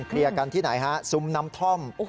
เคลียร์กันที่ไหนฮะซุ้มน้ำท่อม